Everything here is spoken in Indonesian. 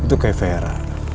itu kayak vera